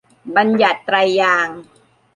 บัญญัติไตรยางค์